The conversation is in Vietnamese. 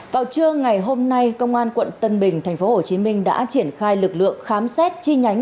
vào trưa ngày hôm nay công an quận tân bình tp hcm đã triển khai lực lượng khám xét chi nhánh